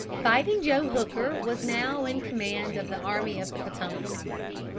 "Fighting Joe Hooker" was now in command of the Army of the Potomac.